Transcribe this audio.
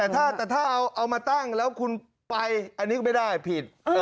แต่ถ้าเอามาตั้งแล้วคุณไปอันนี้ก็ไม่ได้ผิด